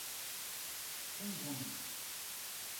Congonhas